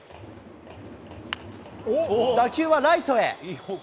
打球はライトへ。